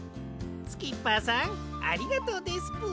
スキッパーさんありがとうですぷ。